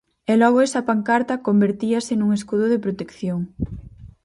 E logo esa pancarta convertíase nun escudo de protección.